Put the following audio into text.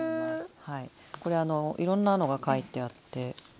これあのいろんなのが書いてあって。